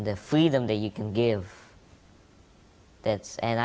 dan kebebasan yang bisa kamu berikan